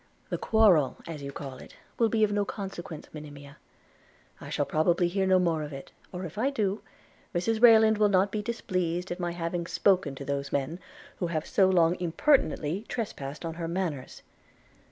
'The quarrel, as you call it, will be of no consequence, Monimia: I shall probably hear no more of it; – or, if I do, Mrs Rayland will not be displeased at my having spoken to those men, who have so long impertinently trespassed on her manors.'